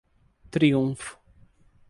Triunfo